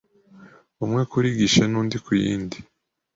umwe kuri guichet n’undi kuyindi